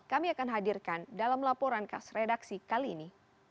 kami akan hadirkan dalam laporan khas redaksi kali ini